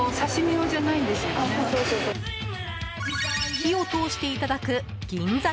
火を通していただく銀鮭。